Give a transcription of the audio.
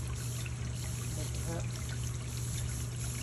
หนุกฮะ